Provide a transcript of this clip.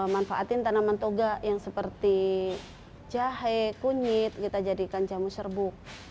manfaatin tanaman toga yang seperti jahe kunyit kita jadikan jamu serbuk